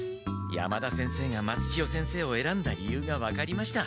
山田先生が松千代先生をえらんだ理由が分かりました。